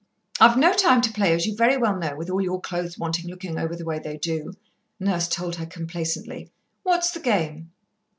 "I've no time to play, as you very well know, with all your clothes wanting looking over the way they do," Nurse told her complacently. "What's the game?"